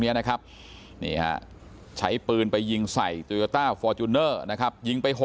นี้นะครับนี่ฮะใช้ปืนไปยิงใส่โตโยต้าฟอร์จูเนอร์นะครับยิงไป๖